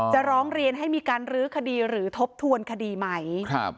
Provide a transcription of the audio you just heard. ร้องเรียนให้มีการรื้อคดีหรือทบทวนคดีไหม